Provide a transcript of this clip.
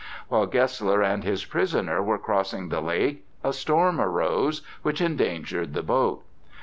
While Gessler and his prisoner were crossing the lake, a storm arose, which endangered the boat.